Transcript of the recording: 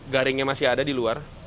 garingnya masih ada di luar